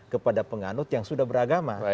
kepada penganut yang sudah beragama